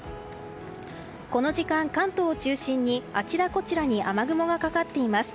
この時間、関東を中心にあちらこちらに雨雲がかかっています。